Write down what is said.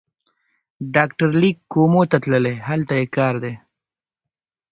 ډاکټر لېک کومو ته تللی، هلته یې کار دی.